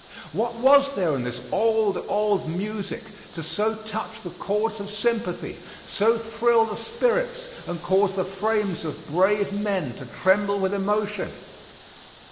What was there in this old, old music, to so touch the chords of sympathy, so thrill the spirits and cause the frames of brave men to tremble with emotion?